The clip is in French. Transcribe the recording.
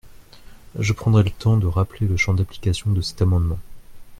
Je prendrai le temps de rappeler le champ d’application de cet amendement.